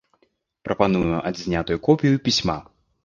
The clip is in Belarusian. Прапануем адзнятую копію пісьма.